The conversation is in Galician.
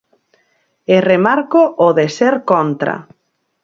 E remarco o de ser contra.